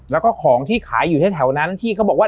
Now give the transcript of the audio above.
แล้วก็ของที่ขายอยู่แถวนั้นที่เขาบอกว่า